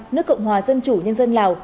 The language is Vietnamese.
nước cộng hòa dân chủ nhân dân lào